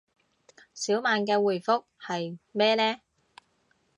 小曼嘅回覆係咩呢